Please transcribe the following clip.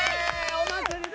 お祭りだ！